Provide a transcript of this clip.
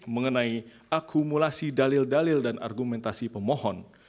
mengenai akumulasi dalil dalil dan argumentasi pemohon